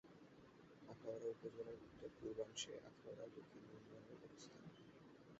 আখাউড়া উপজেলার উত্তর-পূর্বাংশে আখাউড়া দক্ষিণ ইউনিয়নের অবস্থান।